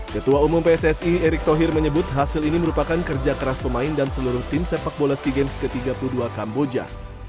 ketua umum pssi erick thohir menyebut hasil ini merupakan kerja keras pemain dan seluruh tim sepak bola sea games ke tiga puluh dua kamboja